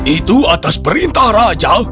itu atas perintah raja